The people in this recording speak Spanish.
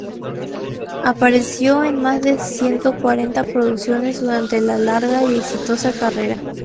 Apareció en más de ciento cuarenta producciones durante una larga y exitosa carrera.